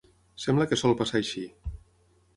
Sembla que sol passar així